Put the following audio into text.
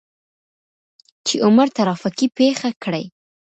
چې عمر ترافيکي پېښه کړى.